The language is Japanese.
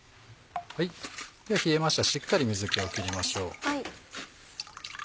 では冷えましたしっかり水気を切りましょう。